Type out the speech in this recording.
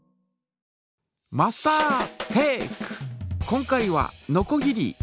今回はのこぎり。